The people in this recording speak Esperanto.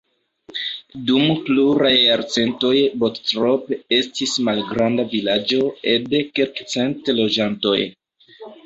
Dum pluraj jarcentoj Bottrop estis malgranda vilaĝo ede kelkcent loĝantoj.